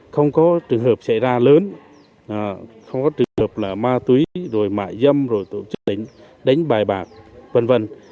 không có trường hợp xảy ra lớn không có trường hợp ma túy mại dâm tổ chức đánh bài bạc